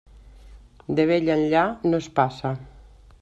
De vell enllà, no es passa.